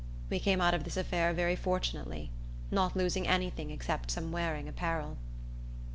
We came out of this affair very fortunately; not losing any thing except some wearing apparel.